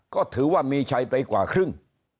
ก็ถือว่ามีชัยไปกว่าครึ่ง